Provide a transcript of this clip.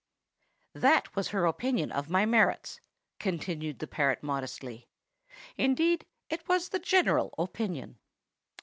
"That was her opinion of my merits," continued the parrot modestly. "Indeed, it was the general opinion.